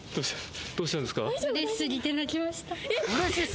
どうしたんですか？